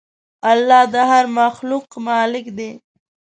الله د هر مخلوق مالک دی.